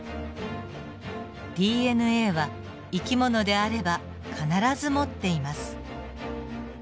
ＤＮＡは生き物であれば必ず持っています。